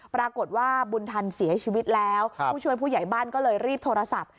ปรากฏว่าบุญทันเสียชีวิตแล้วผู้ช่วยผู้ใหญ่บ้านก็เลยรีบโทรศัพท์